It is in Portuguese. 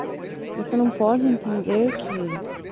Você não pode entender que?